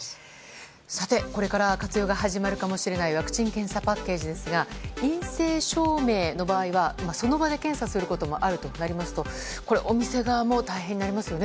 これから活用が始まるかもしれないワクチン・検査パッケージですが陰性証明の場合はその場で検査することもあるとなりますとお店側も大変になりますよね